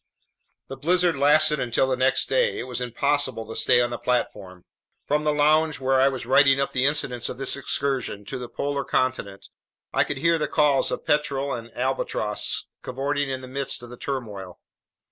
The blizzard lasted until the next day. It was impossible to stay on the platform. From the lounge, where I was writing up the incidents of this excursion to the polar continent, I could hear the calls of petrel and albatross cavorting in the midst of the turmoil.